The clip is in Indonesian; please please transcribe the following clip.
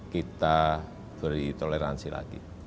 kita beri toleransi lagi